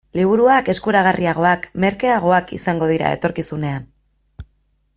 Liburuak eskuragarriagoak, merkeagoak, izango dira etorkizunean.